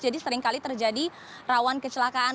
jadi seringkali terjadi rawan kecelakaan